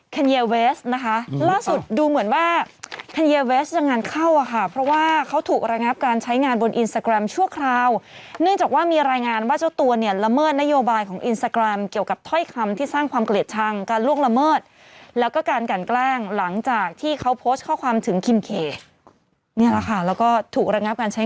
เวสนะคะล่าสุดดูเหมือนว่าแคนเยเวสยังงานเข้าอ่ะค่ะเพราะว่าเขาถูกระงับการใช้งานบนอินสตาแกรมชั่วคราวเนื่องจากว่ามีรายงานว่าเจ้าตัวเนี่ยละเมิดนโยบายของอินสตาแกรมเกี่ยวกับถ้อยคำที่สร้างความเกลียดชังการล่วงละเมิดแล้วก็การกันแกล้งหลังจากที่เขาโพสต์ข้อความถึงคิมเขตนี่แหละค่ะแล้วก็ถูกระงับการใช้